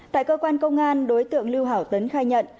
tại cơ quan công an đối tượng lưu hảo tấn khai nhận